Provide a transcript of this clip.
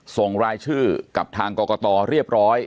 ส่งรายชื่อกับทางกรกตเรียบร้อย